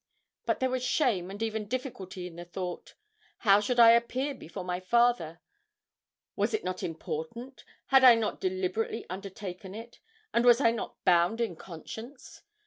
But there was shame and even difficulty in the thought. How should I appear before my father? Was it not important had I not deliberately undertaken it and was I not bound in conscience?